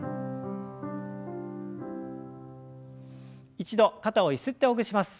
一度肩をゆすってほぐします。